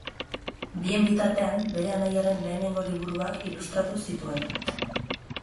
Bien bitartean, bere anaiaren lehenengo liburuak ilustratu zituen.